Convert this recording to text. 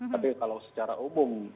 tapi kalau secara umum